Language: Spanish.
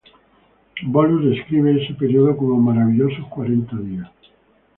Bolus describe ese periodo como 'maravillosos cuarenta días'.